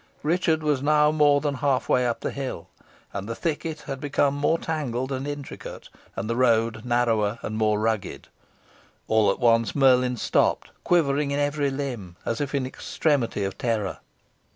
Richard was now more than half way up the hill, and the thicket had become more tangled and intricate, and the road narrower and more rugged. All at once Merlin stopped, quivering in every limb, as if in extremity of terror.